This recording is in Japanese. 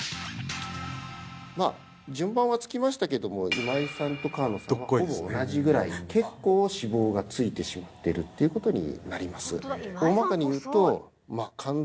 まあ順番はつきましたけども今井さんと川野さんはほぼ同じぐらいで結構脂肪がついてしまっているっていうことになります